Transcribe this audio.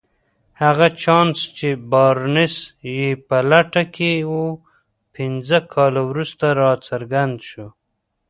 هغه چانس چې بارنس يې په لټه کې و پنځه کاله وروسته راڅرګند شو.